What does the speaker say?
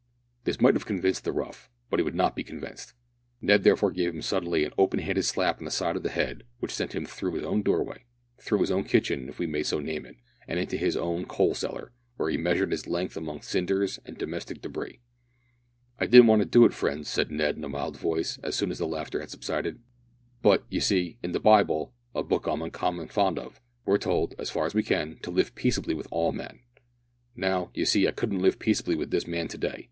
This might have convinced the rough, but he would not be convinced. Ned therefore gave him suddenly an open handed slap on the side of the head which sent him through his own doorway; through his own kitchen if we may so name it and into his own coal cellar, where he measured his length among cinders and domestic debris. "I didn't want to do it, friends," said Ned in a mild voice, as soon as the laughter had subsided, "but, you see, in the Bible a book I'm uncommon fond of we're told, as far as we can, to live peaceably with all men. Now, you see, I couldn't live peaceably wi' this man to day.